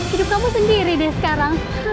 hidup kamu sendiri deh sekarang